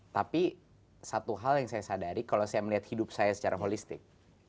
tapi satu hal yang saya sadari kalau saya melihat hidup saya secara holistik